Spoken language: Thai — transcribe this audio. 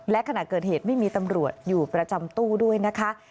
และขณะเกิดเหตุไม่มีตำรวจอยู่ประจำตู้ด้วยนะคะ